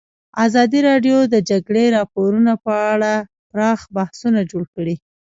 ازادي راډیو د د جګړې راپورونه په اړه پراخ بحثونه جوړ کړي.